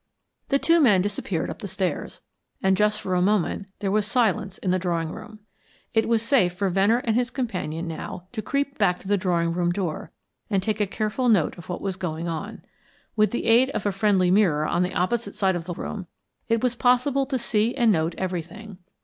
The two men disappeared up the stairs, and just for a moment there was silence in the drawing room. It was safe for Venner and his companion now to creep back to the drawing room door and take a careful note of what was going on. With the aid of a friendly mirror on the opposite side of the room, it was possible to see and note everything.